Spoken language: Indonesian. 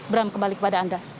berang kembali kepada anda